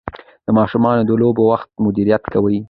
د ماشومانو د لوبو وخت مدیریت کوي.